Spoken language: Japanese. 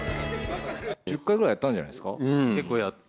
１０回ぐらいやったんじゃな結構やった。